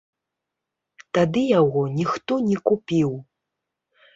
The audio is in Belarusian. Тады яго ніхто не купіў.